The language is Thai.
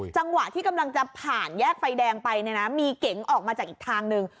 จังหวะที่กำลังจะผ่านแยกไฟแดงไปเนี่ยนะมีเก๋งออกมาจากอีกทางหนึ่ง